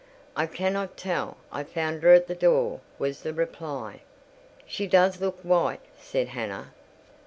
"I cannot tell: I found her at the door," was the reply. "She does look white," said Hannah.